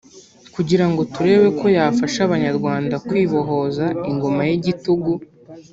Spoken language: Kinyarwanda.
kugirango turebe ko yafasha Abanyarwanda kwibohoza ingoma y’igitugu